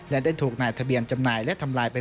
และได้ถูกนายทะเบียนจำหน่ายและทำลายไป